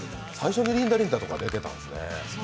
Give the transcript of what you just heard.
最初に「リンダリンダ」とか出てたんですね。